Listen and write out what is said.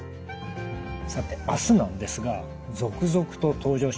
さて明日なんですが続々と登場します